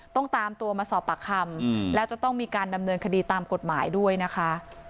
ตามตัวมาสอบปากคำแล้วจะต้องมีการดำเนินคดีตามกฎหมายด้วยนะคะ